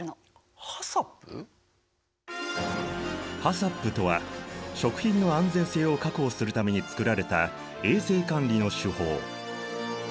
ＨＡＣＣＰとは食品の安全性を確保するために作られた衛生管理の手法。